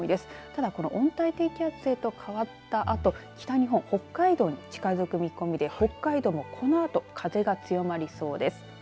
ただ、この温帯低気圧へと変わったあと北日本、北海道に近づく見込みで北海道も、このあと風が強まりそうです。